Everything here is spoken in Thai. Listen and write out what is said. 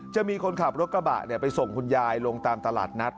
จะมีคนขับรถกระบะไปส่งคุณยายลงตามตลาดนัด